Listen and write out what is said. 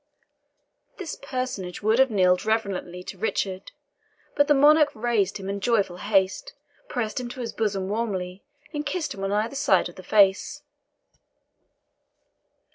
This personage would have kneeled reverently to Richard, but the Monarch raised him in joyful haste, pressed him to his bosom warmly, and kissed him on either side of the face.